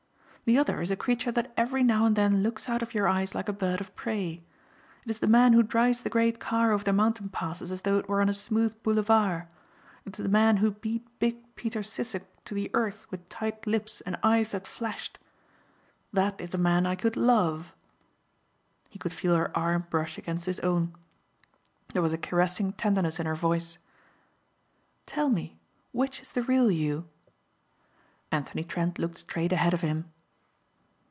The other is a creature that every now and then looks out of your eyes like a bird of prey. It is the man who drives the great car over the mountain passes as though it were on a smooth boulevard. It is the man who beat big Peter Sissek to the earth with tight lips and eyes that flashed. That is a man I could love." He could feel her arm brush against his own. There was a caressing tenderness in her voice. "Tell me, which is the real you?" Anthony Trent looked straight ahead of him.